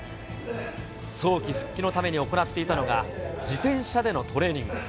早期復帰のために行っていたのが、自転車でのトレーニング。